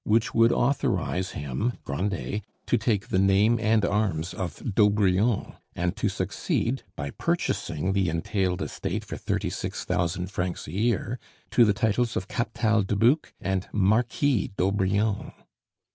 which would authorize him, Grandet, to take the name and arms of d'Aubrion and to succeed, by purchasing the entailed estate for thirty six thousand francs a year, to the titles of Captal de Buch and Marquis d'Aubrion.